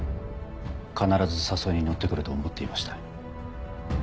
必ず誘いに乗って来ると思っていました。